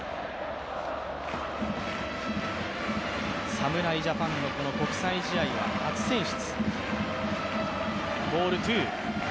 侍ジャパンの国際試合は初選出。